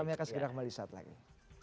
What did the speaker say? kami akan segera kembali saat lagi